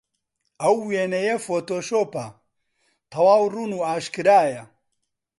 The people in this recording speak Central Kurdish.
ئەو وێنەیە فۆتۆشۆپە، تەواو ڕوون و ئاشکرایە.